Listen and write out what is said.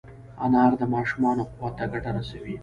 انار د ماشومانو قوت ته ګټه رسوي.